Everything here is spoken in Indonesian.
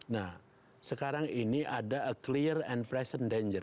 nah sekarang ini ada a clear and present danger